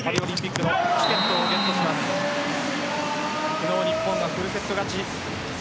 昨日、日本がフルセット勝ち。